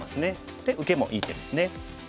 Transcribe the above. で受けもいい手ですね。